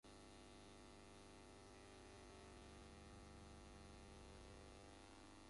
Randolph is located in a mountainous region that attracts hikers.